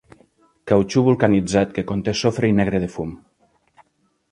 Cautxú vulcanitzat que conté sofre i negre de fum.